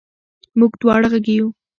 موږ دواړه غړي وو.